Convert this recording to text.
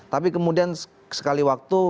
tapi kemudian sekali waktu